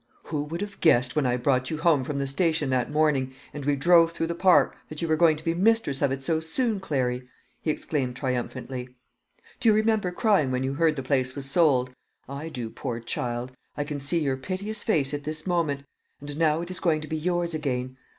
"Who would have guessed when I brought you home from the station that morning, and we drove through the park, that you were going to be mistress of it so soon, Clary?" he exclaimed triumphantly. "Do you remember crying when you heard the place was sold? I do, poor child; I can see your piteous face at this moment. And now it is going to be yours again.